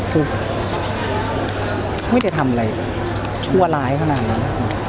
คือไม่ได้ทำอะไรชั่วร้ายขนาดนั้น